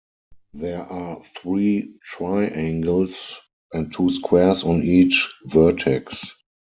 There are three triangles and two squares on each vertex.